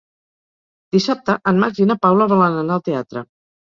Dissabte en Max i na Paula volen anar al teatre.